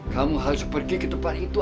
kamu harus pergi ke tempat itu